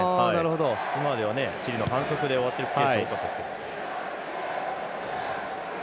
今まではチリの反則で終わってるケース多かったですけど。